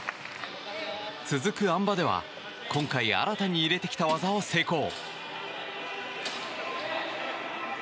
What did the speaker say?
続くあん馬では、今回新たに入れてきた技を成功。